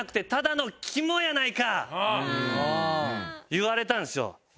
言われたんですよ。